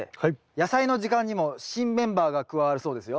「やさいの時間」にも新メンバーが加わるそうですよ。